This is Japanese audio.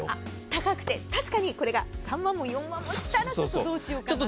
高くて、確かにこれが３万も４万もしたらどうしようかなと。